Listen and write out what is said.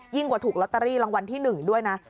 ยิ่งกว่าถูกลอตเตอรี่รางวัลที่หนึ่งด้วยนะ